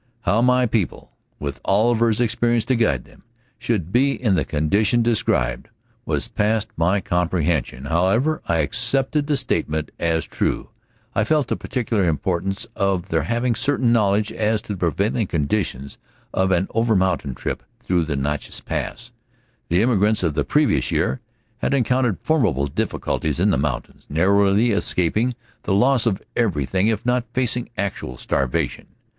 How my people, with Oliver's experience to guide them, should be in the condition described, was past my comprehension. However, I accepted the statement as true. I felt the particular importance of their having certain knowledge as to prevailing conditions of an over mountain trip through the Natchess Pass. The immigrants of the previous year had encountered formidable difficulties in the mountains, narrowly escaping the loss of everything, if not facing actual starvation.